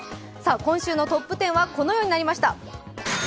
今週のトップ１０はこのようになりました。